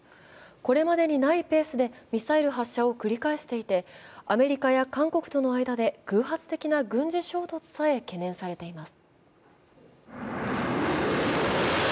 これまでにないペースでミサイル発射を繰り返していてアメリカや韓国との間で偶発的な軍事衝突さえ懸念されています。